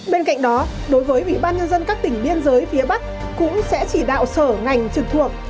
bên cạnh đó đối với ủy ban nhân dân các tỉnh biên giới phía bắc cũng sẽ chỉ đạo sở ngành trực thuộc